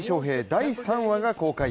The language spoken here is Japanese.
第３話が公開。